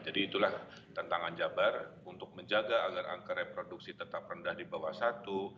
jadi itulah tantangan jabar untuk menjaga agar angka reproduksi tetap rendah di bawah satu